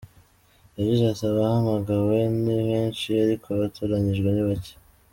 Yagize ati “Abahamagawe ni benshi ariko abatoranyijwe ni bacye.